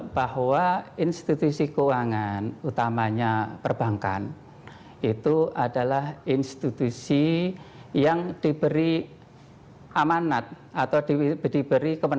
bahwa institusi keuangan utamanya perbankan itu adalah institusi yang diberi amanat atau diberi kewenangan